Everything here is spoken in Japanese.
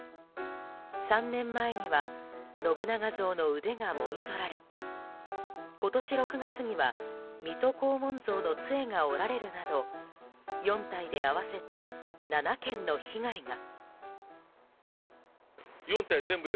３年前には信長像の腕がもぎ取られ今年６月には水戸黄門像の杖が折られるなど４体で合わせて７件の被害が。